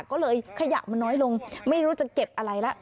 ก็เลยขยะมันน้อยลงไม่รู้จะเก็บอะไรละ